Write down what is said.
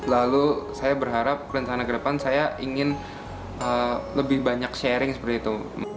lalu saya berharap rencana ke depan saya ingin lebih banyak sharing seperti itu